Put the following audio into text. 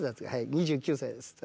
「２９歳です」。